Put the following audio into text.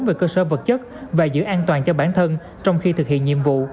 về cơ sở vật chất và giữ an toàn cho bản thân trong khi thực hiện nhiệm vụ